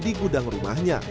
di gudang rumahnya